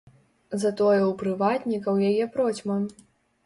Затое ў прыватнікаў яе процьма.